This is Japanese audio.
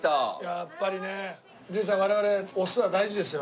やっぱりね純次さん我々オスは大事ですよね。